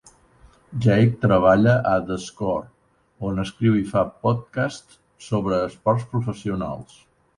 Jake treballa a The Score, on escriu i fa podcasts sobre esports professionals.